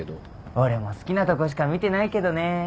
俺も好きなとこしか見てないけどね。